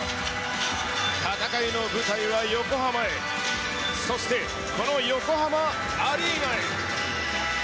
戦いの舞台は横浜へ、そして、この横浜アリーナへ。